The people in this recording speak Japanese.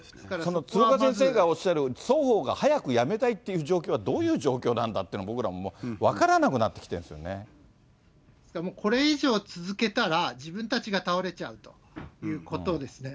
鶴岡先生がおっしゃる双方が早くやめたいという状況は、どういう状況なんだっていうのが、僕らも分からなくなってきてるんこれ以上続けたら、自分たちが倒れちゃうということですね。